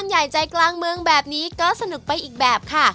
ใหญ่ใจกลางเมืองแบบนี้ก็สนุกไปอีกแบบค่ะ